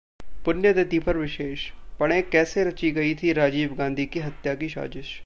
पुण्यतिथि पर विशेषः पढ़ें-कैसे रची गई थी राजीव गांधी की हत्या की साजिश